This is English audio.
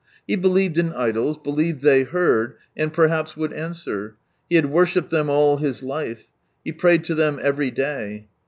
He believed in idols, believed they heard, and perhaps would answer, he had worshipped them all his life, he prayed to ihem every day.